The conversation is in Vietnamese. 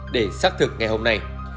để xác thực ngày hôm nay